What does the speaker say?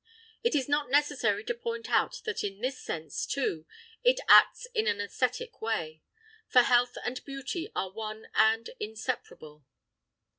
It is not necessary to point out that in this sense, too, it acts in an æsthetic way; for health and beauty are one and inseparable.